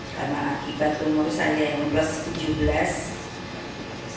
karena akibat umur saya yang plus tujuh belas